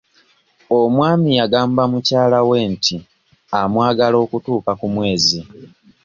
Omwami yagamba mukyala we nti amwagala okutuuka ku mwezi.